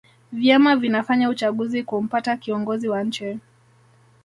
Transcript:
vyama vinafanya uchaguzi kumpata kiongozi wa nchi